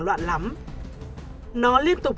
loạn lắm nó liên tục